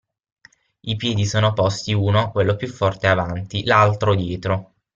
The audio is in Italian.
I piedi sono posti uno (quello più "forte") avanti, l'altro dietro.